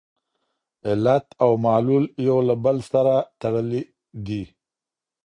علت او معلول یو له بل سره تړلي دي.